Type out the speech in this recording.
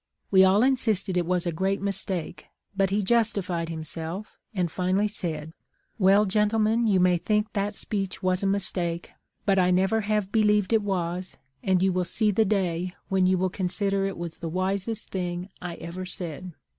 We all insisted it was a great mistake, but he justified himself, and finally said, ' Well, gentlemen, you may think that speech was a mistake, but I never have believed it was, and you will see the day when you will con sider it was the wisest thing I ever said.'